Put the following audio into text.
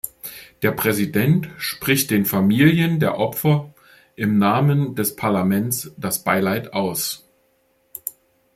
Der Präsident spricht den Familien der Opfer im Namen des Parlaments das Beileid aus.